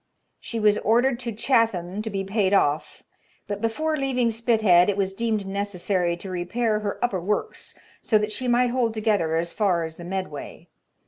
She was ordered to Chatham to be paid off, but before leaving Spithead it was deemed necessary to repair her upper works so that she might hold together as far as the Medway.